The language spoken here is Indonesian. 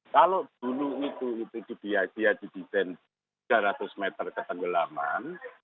kalau dulu itu dibiayai di titen tiga ratus meter ketenggelaman